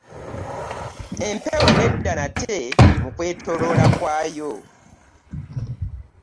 Epewo n'edda nate mu kwetooloola kwayo.